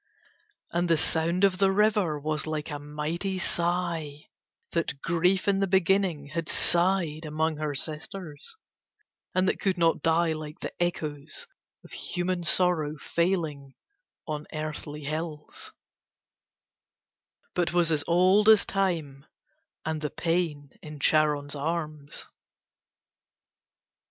And the sound of the river was like a mighty sigh that Grief in the beginning had sighed among her sisters, and that could not die like the echoes of human sorrow failing on earthly hills, but was as old as time and the pain in Charon's arms.